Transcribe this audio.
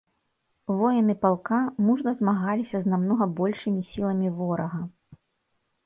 Воіны палка мужна змагаліся з намнога большымі сіламі ворага.